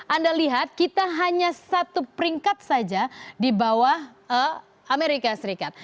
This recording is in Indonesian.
anda lihat kita hanya satu peringkat saja di bawah amerika serikat